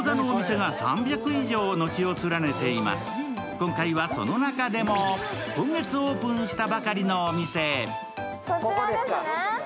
今回はその中でも今月オープンしたばかりのお店へ。